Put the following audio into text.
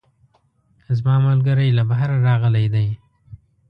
زما ملګرۍ له بهره راغلی ده